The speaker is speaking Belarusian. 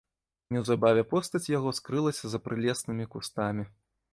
Неўзабаве постаць яго скрылася за прылеснымі кустамі.